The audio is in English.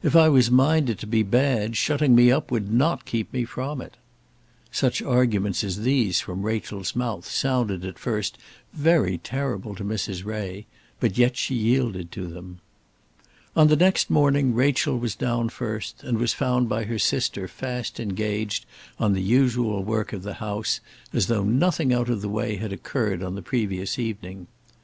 If I was minded to be bad, shutting me up would not keep me from it." Such arguments as these from Rachel's mouth sounded, at first, very terrible to Mrs. Ray, but yet she yielded to them. On the next morning Rachel was down first, and was found by her sister fast engaged on the usual work of the house, as though nothing out of the way had occurred on the previous evening.